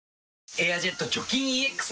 「エアジェット除菌ＥＸ」